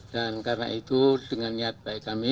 dan karena itu dengan niat baik kami